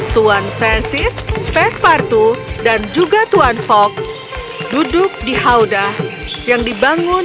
tuan francis pespartu dan juga tuan fok duduk di haudah yang dibangun